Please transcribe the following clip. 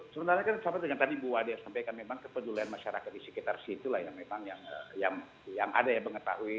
sebenarnya kan seperti yang tadi bu wadih sampaikan memang kepedulian masyarakat di sekitar situ lah yang memang yang ada yang mengetahui